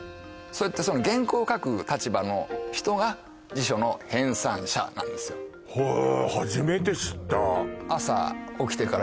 そういった原稿を書く立場の人が辞書の編さん者なんですよへえ